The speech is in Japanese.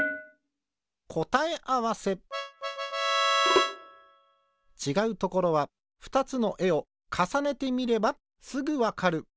こたえあわせちがうところはふたつのえをかさねてみればすぐわかる。